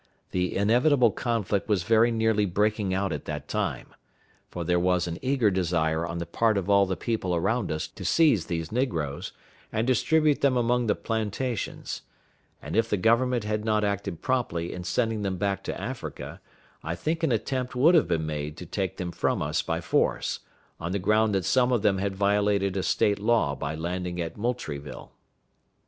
The inevitable conflict was very near breaking out at that time; for there was an eager desire on the part of all the people around us to seize these negroes, and distribute them among the plantations; and if the Government had not acted promptly in sending them back to Africa, I think an attempt would have been made to take them from us by force, on the ground that some of them had violated a State law by landing at Moultrieville.